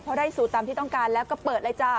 พอได้สูตรตามที่ต้องการแล้วก็เปิดเลยจ้า